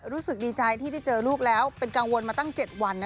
รู้สึกดีใจที่ได้เจอลูกแล้วเป็นกังวลมาตั้ง๗วัน